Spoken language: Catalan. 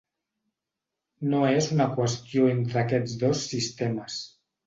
No és una qüestió entre aquests dos sistemes.